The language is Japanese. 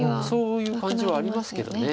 そういう感じはありますけど。